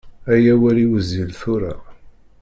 Ay awal iwzil tura.